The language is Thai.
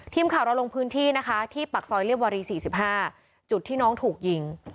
ทิมเขาระลงพื้นที่ที่ปักซอยเรียบวารี๔๕จุดที่น้องถูกยิง